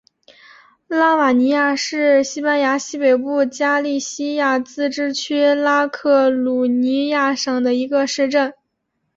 拉瓦尼亚是西班牙西北部加利西亚自治区拉科鲁尼亚省的一个市镇。